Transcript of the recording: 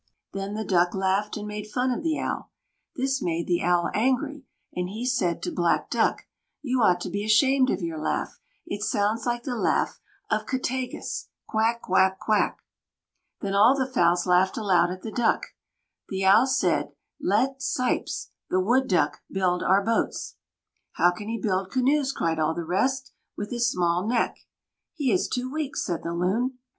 Then the Duck laughed and made fun of the Owl. This made the Owl angry, and he said to Black Duck: "You ought to be ashamed of your laugh; it sounds like the laugh of 'Kettāgŭs,' quack, quack, quack." Then all the fowls laughed aloud at the Duck. The Owl said: "Let 'Sīps' [the Wood Duck] build our boats." "How can he build canoes," cried all the rest, "with his small neck?" "He is too weak," said the Loon.